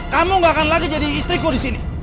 kamu gak akan lagi jadi istriku di sini